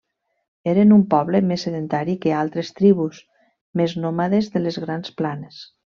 Eren un poble més sedentari que altres tribus més nòmades de les Grans Planes.